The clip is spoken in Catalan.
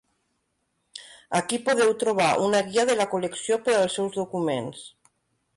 Aquí podeu trobar una guia de la col·lecció per als seus documents.